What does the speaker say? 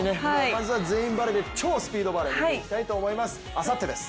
まずは全員バレーで超スピードバレーしていきたいと思います。